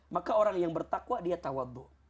maka orang yang bertakwa dia tawadu